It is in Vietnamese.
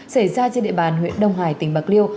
xảy ra trên địa bàn huyện đông hải tỉnh bạc liêu